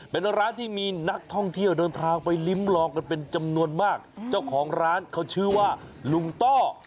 เป็นร้านที่มีนักท่องเที่ยวเดินทางไปลิ้มลองกันเป็นจำนวนมากเจ้าของร้านเขาชื่อว่าลุงต้อ